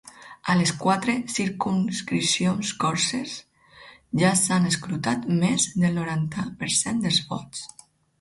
A les quatre circumscripcions corses ja s’han escrutat més del noranta per cent dels vots.